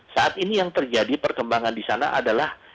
saat ini yang terjadi perkembangan di sana adalah